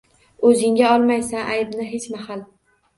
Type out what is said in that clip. O‘zingga olmaysan aybni hech mahal.